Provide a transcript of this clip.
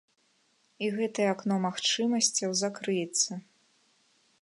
І гэтае акно магчымасцяў закрыецца.